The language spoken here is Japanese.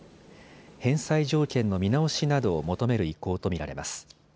返済条件の見直しなどを求める意向と見られます。